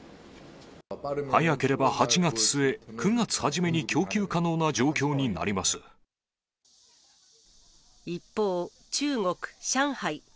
早ければ８月末、９月初めに一方、中国・上海。